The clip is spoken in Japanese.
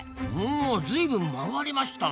おずいぶん曲がりましたな。